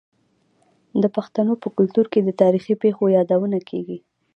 د پښتنو په کلتور کې د تاریخي پیښو یادونه کیږي.